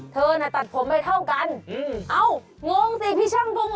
ตัดผมไม่เหมือนคราว